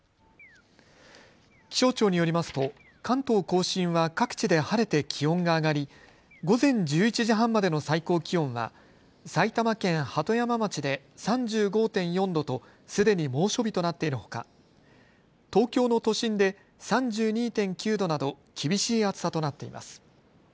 気象庁によりますと関東甲信は各地で晴れて気温が上がり午前１１時半までの最高気温は埼玉県鳩山町で３５．４度とすでに猛暑日となっているほか東京の都心で３２．９度など厳しい暑さとなっています。